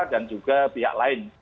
dan juga pihak lain